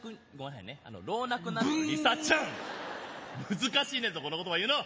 難しいねんぞこの言葉言うの！